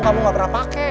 kamu nggak pernah pakai